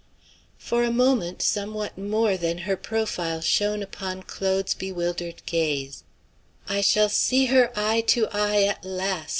For a moment somewhat more than her profile shone upon Claude's bewildered gaze. "I shall see her eye to eye at last!"